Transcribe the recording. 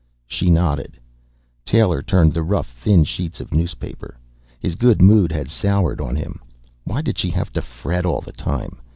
She nodded. Taylor turned the rough, thin sheets of newspaper. His good mood had soured on him. Why did she have to fret all the time?